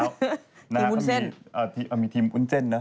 ต่อจากเมื่อเช้านะครับก็มีอ๋อมีทีมอุ้นเจนนะ